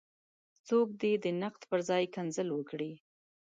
څوک دې د نقد پر ځای کنځل وکړي.